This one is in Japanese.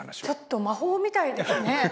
ちょっと魔法みたいですね。